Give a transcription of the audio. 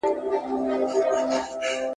شيطاني پاڼي يې كړلې لاندي باندي `